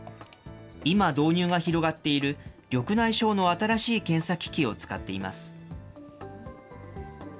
今、導入が広がっている緑内障の新しい検査機器を使っています。